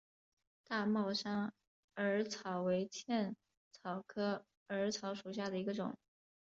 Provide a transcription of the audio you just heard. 大帽山耳草为茜草科耳草属下的一个种。